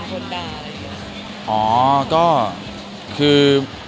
คุณสัมผัสดีครับ